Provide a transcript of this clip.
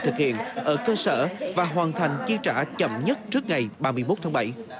thực hiện ở cơ sở và hoàn thành chi trả chậm nhất trước ngày ba mươi một tháng bảy